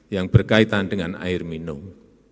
yang berkaitan dengan air minum